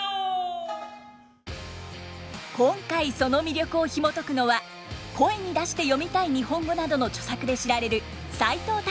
今回その魅力をひもとくのは「声に出して読みたい日本語」などの著作で知られる齋藤孝さん。